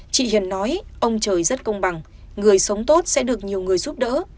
chị hiền nói ông trời rất công bằng người sống tốt sẽ được nhiều người giúp đỡ